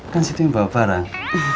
kan situ yang bawa barang